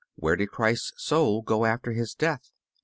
Where did Christ's soul go after His death?